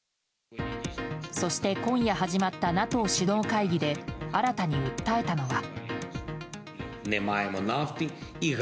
そして、今夜始まったＮＡＴＯ首脳会議で新たに訴えたのが。